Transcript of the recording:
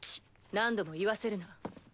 何度も言わせるな。